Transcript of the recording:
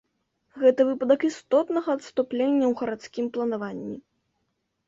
Гэта выпадак істотнага адступлення ў гарадскім планаванні.